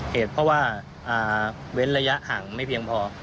เหตุเพราะว่าเว้นระยะห่างไม่เพียงพอ